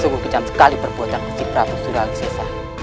sungguh kejam sekali perbuatan kecil prabu surah al sisa